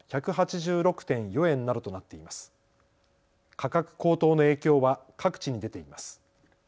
価格高騰の影響は各地に出ています。